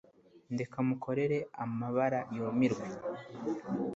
Ndeka mukorere amabara yumirwe